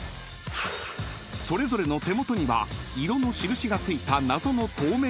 ［それぞれの手元には色の印が付いた］